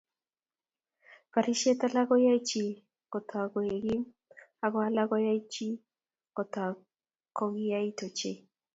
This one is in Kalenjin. Barishet alak koyae chi kotok koek gim, ago alak koyae chi kotok kogiyait ochei